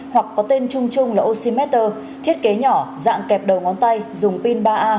hoặc có tên chung chung là oxymeter thiết kế nhỏ dạng kẹp đầu ngón tay dùng pin ba a